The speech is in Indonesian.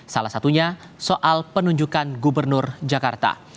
salah satunya soal penunjukan gubernur jakarta